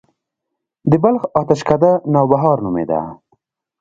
د بلخ اتشڪده نوبهار نومیده